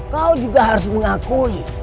kau juga harus mengakui